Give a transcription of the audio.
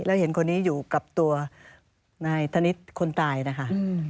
แล้วเห็นคนนี้อยู่กับตัวนายธนิษฐ์คนตายนะคะ